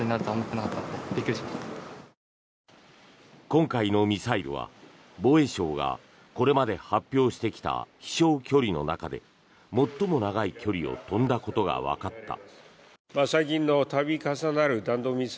今回のミサイルは防衛省がこれまで発表してきた飛翔距離の中で最も長い距離を飛んだことがわかった。